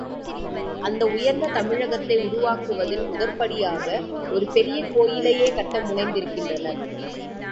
அந்த உயர்ந்த தமிழகத்தை உருவாக்குவதில் முதற்படியாக, ஒரு பெரிய கோயிலையே கட்ட முனைந்திருக்கிறான்.